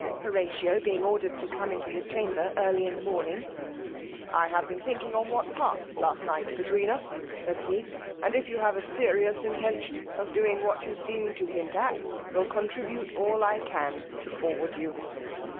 Horatio being ordered to come into his chamber early in the morning, I have been thinking on what passed last night between us, said he, and if you have a serious Intention of doing what you seemed to hint at, will contribute all I can to forward you.